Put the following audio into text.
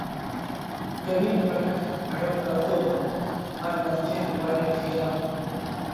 ڳرِيٻ منک رڙيون ڪرتو ريو ان منکي اُوئا نئہ ٺيلا